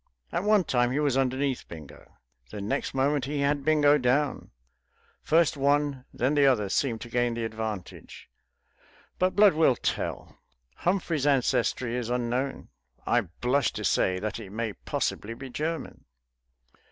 At one time he was underneath Bingo; the next moment he had Bingo down; first one, then the other, seemed to gain the advantage. But blood will tell. Humphrey's ancestry is unknown; I blush to say that it may possibly be German.